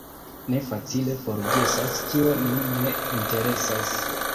Ni facile forgesas, kio nin ne interesas.